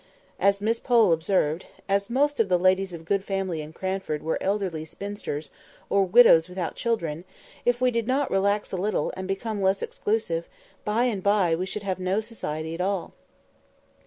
As Miss Pole observed, "As most of the ladies of good family in Cranford were elderly spinsters, or widows without children, if we did not relax a little, and become less exclusive, by and by we should have no society at all."